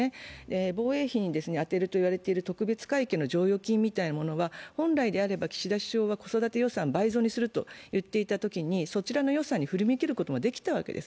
防衛費に充てるといわれている特別会計の剰余金は本来であれば、岸田首相は子育て予算を倍増すると言っていたときに、そちらの予算に振り向けることもできたんです。